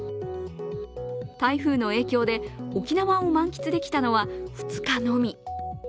台風の影響で、沖縄を満喫できたのは２日のみ。